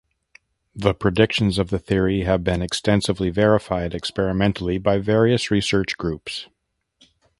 The predictions of the theory have been extensively verified experimentally by various research groups.